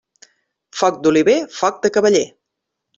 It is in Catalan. Foc d'oliver, foc de cavaller.